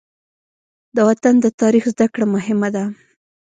د وطن د تاریخ زده کړه مهمه ده.